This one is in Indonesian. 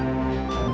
terima kasih tante